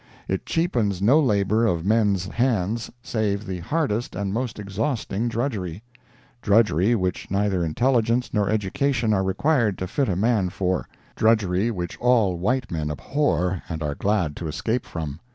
It cheapens no labor of men's hands save the hardest and most exhausting drudgery—drudgery which neither intelligence nor education are required to fit a man for—drudgery which all white men abhor and are glad to escape from.